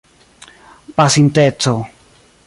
pasinteco